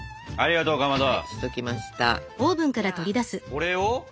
これを？